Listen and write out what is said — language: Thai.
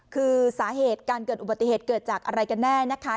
คือสาเหตุการเกิดอุบัติเหตุเกิดจากอะไรกันแน่นะคะ